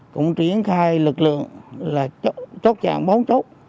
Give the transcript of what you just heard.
cũng triển khai lực lượng là chốt chạm bóng chốt